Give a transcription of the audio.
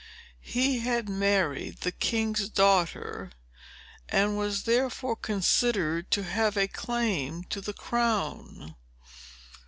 He had married the king's daughter, and was therefore considered to have a claim to the crown.